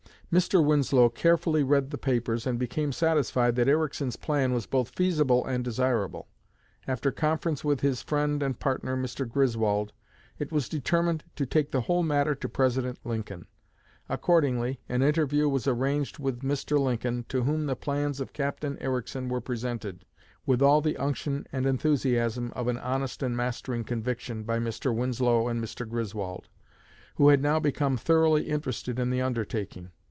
Mr. Winslow carefully read the papers and became satisfied that Ericsson's plan was both feasible and desirable. After conference with his friend and partner, Mr. Griswold, it was determined to take the whole matter to President Lincoln. Accordingly, an interview was arranged with Mr. Lincoln, to whom the plans of Captain Ericsson were presented, with all the unction and enthusiasm of an honest and mastering conviction, by Mr. Winslow and Mr. Griswold, who had now become thoroughly interested in the undertaking.